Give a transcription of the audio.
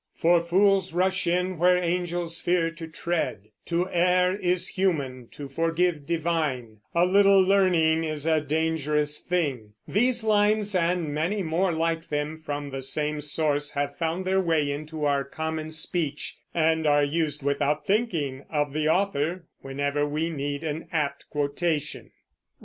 "For fools rush in where angels fear to tread"; "To err is human, to forgive divine"; "A little learning is a dangerous thing," these lines, and many more like them from the same source, have found their way into our common speech, and are used, without thinking of the author, whenever we need an apt quotation.